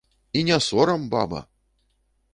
І не сорам, баба!